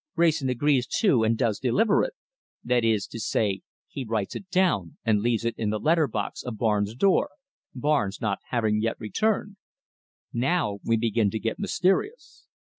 Wrayson agrees to and does deliver it. That is to say, he writes it down and leaves it in the letter box of Barnes' door, Barnes not having yet returned. Now we begin to get mysterious.